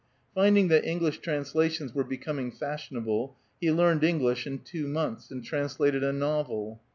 Finding that English translations were be coming fashionable, he learned English in two months, and translated a novel.